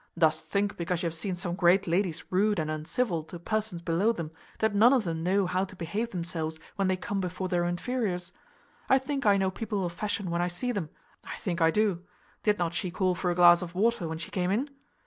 Dost think, because you have seen some great ladies rude and uncivil to persons below them, that none of them know how to behave themselves when they come before their inferiors? I think I know people of fashion when I see them I think I do. Did not she call for a glass of water when she came in?